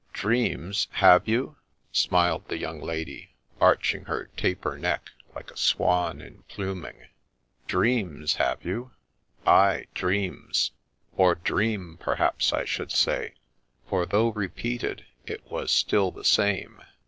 ' Dreams, have you ?' smiled the young lady, arching her taper neck like a swan in pluming. ' Dreams, have you ?'' Aye, dreams, — or dream, perhaps, I should say ; for, though repeated, it was still the same.